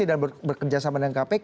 dan bekerja sama dengan kpk